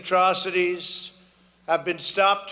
telah ditinggalkan dengan baik